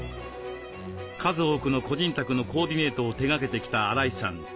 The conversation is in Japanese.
数多くの個人宅のコーディネートを手がけてきた荒井さん